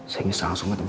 saya ingat langsung ketemu